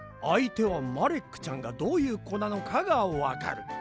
あいてはマレックちゃんがどういうこなのかがわかる。